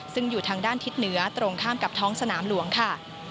ซึ่งอยู่ทางด้านทิศเหนือตรงข้ามกับท้องสนามหลวงค่ะ